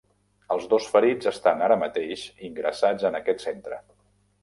Els dos ferits estàn ara mateix ingressats en aquest centre.